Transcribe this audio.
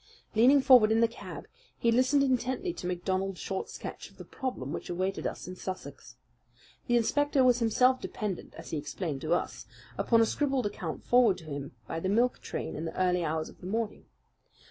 Leaning forward in the cab, he listened intently to MacDonald's short sketch of the problem which awaited us in Sussex. The inspector was himself dependent, as he explained to us, upon a scribbled account forwarded to him by the milk train in the early hours of the morning.